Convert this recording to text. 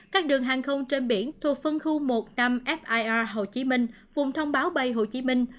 các đường hàng không trên biển thuộc phân khu một trăm năm hồ chí minh vùng thông báo bay hồ chí minh